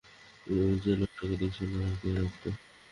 ওই যে লোকটাকে দেখছ, নাকে রক্ত!